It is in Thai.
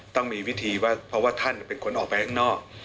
ต้องมีวิธีว่าเพราะว่าท่านเป็นคนออกไปข้างนอก